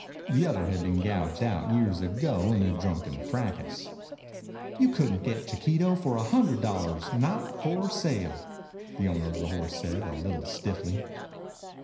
The other had been gouged out years ago in a drunken fracas. "You couldn't get Chiquito for a hundred dollars. Not for sale," the owner of the horse said, a little stiffly.